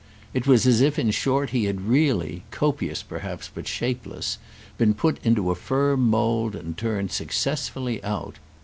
It was as if in short he had really, copious perhaps but shapeless, been put into a firm mould and turned successfully out.